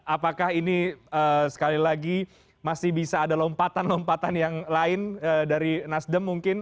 apakah ini sekali lagi masih bisa ada lompatan lompatan yang lain dari nasdem mungkin